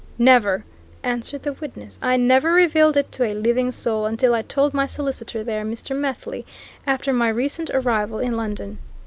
"Never!" answered the witness. "I never revealed it to a living soul until I told my solicitor there, Mr. Methley, after my recent arrival in London."